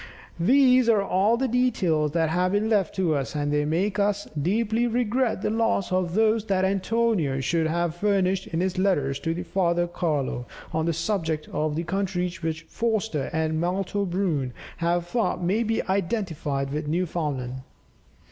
These are all the details that have been left to us, and they make us deeply regret the loss of those that Antonio should have furnished in his letters to his father Carlo, on the subject of the countries which Forster and Malto Brun have thought may be identified with Newfoundland.